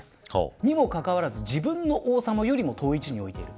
にもかかわらず、自分の王様よりも遠い位置に置いている。